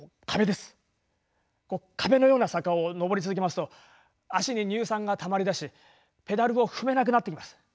壁のような坂を上り続けますと足に乳酸がたまりだしペダルを踏めなくなってきます。